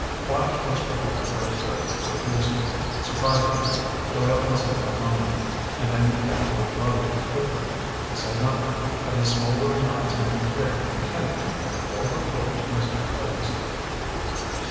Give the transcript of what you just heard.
_ Flash was prepared for a curt refusal. Surprisingly, Doyle considered a moment, and then began to unload equipment. He said nothing, but his smoldering eyes made it clear he intended to make a full report to Mr. Clewes.